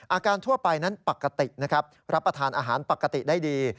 ทั่วไปนั้นปกตินะครับรับประทานอาหารปกติได้ดี